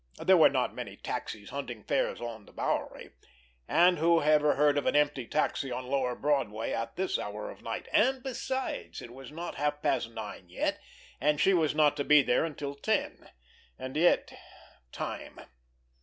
There were not many taxis hunting fares on the Bowery, and who ever heard of an empty taxi on Lower Broadway at this hour of night! And, besides, it was not half past nine yet, and she was not to be there until ten. And yet—time!